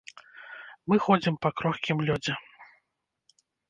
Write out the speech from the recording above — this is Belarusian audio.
Мы ходзім па крохкім лёдзе.